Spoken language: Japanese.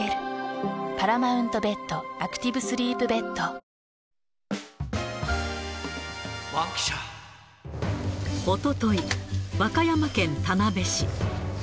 そして、おととい、和歌山県田辺市。